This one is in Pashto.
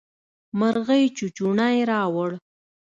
مرغۍ چوچوڼی راووړ.